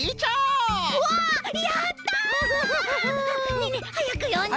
ねえねえはやくよんで！